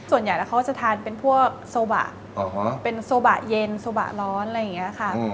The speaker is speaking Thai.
ส่วนใหญ่แล้วเขาจะทานเป็นพวกโซบะเป็นโซบะเย็นโซบะร้อนอะไรอย่างนี้ค่ะ